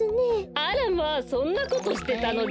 あらまあそんなことしてたのね。